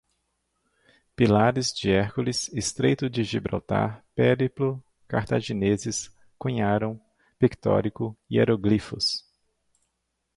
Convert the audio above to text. Pilares de Hércules, estreito de Gibraltar, périplo, cartagineses, cunharam, pictórico, hieróglifos